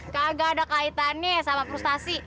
kagak ada kaitannya sama frustasi